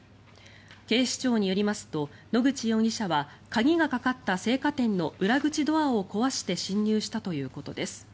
警視庁によりますと野口容疑者は鍵がかかった青果店の裏口ドアを壊して侵入したということです。